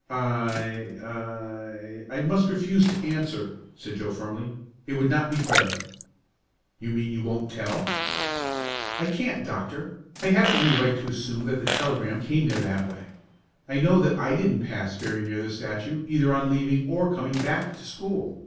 "I I I must refuse to answer," said Joe firmly. "It would not be fair." "You mean you won't tell?" "I can't, Doctor. I haven't any right to assume that the telegram came there that way. I know that I didn't pass very near the statue, either on leaving or coming back to school.